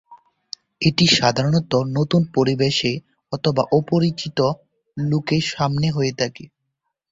এটি সাধারণত নতুন পরিবেশে অথবা অপরিচিত লোকের সামনে হয়ে থাকে।